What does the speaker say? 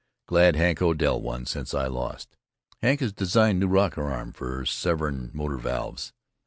Glad Hank Odell won, since I lost. Hank has designed new rocker arm for Severn motor valves.